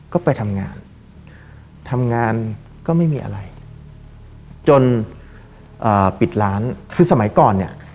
ก็ไปทำงานทำงานก็ไม่มีอะไรจนปิดร้านคือสมัยก่อนเนี่ย